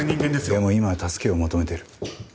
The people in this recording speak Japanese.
でも今は助けを求めてる。